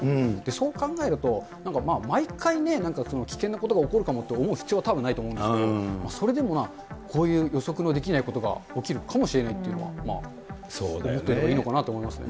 そう考えると、毎回ね、危険なことが起こるかもと思う必要はたぶんないと思うんですけど、それでもこういう予測のできないことが起きるかもしれないっていうのは、思ったほうがいいのかなと思いますね。